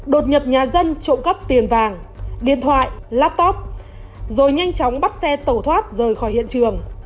đột nhập nhà dân trộm cắp tiền vàng điện thoại laptop rồi nhanh chóng bắt xe tẩu thoát rời khỏi hiện trường